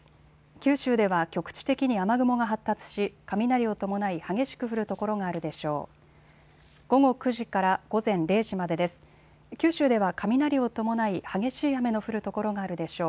九州では局地的に雨雲が発達し、雷を伴い激しく降る所があるでしょう。